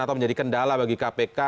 atau menjadi kendala bagi kpk